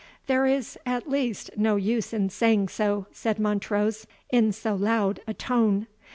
"There is at least no use in saying so," said Montrose, "in so loud a tone.